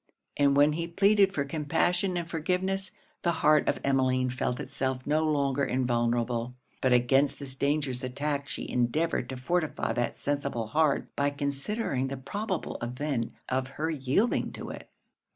And when he pleaded for compassion and forgiveness, the heart of Emmeline felt itself no longer invulnerable. But against this dangerous attack she endeavoured to fortify that sensible heart, by considering the probable event of her yielding to it.